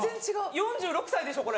４６歳でしょこれ。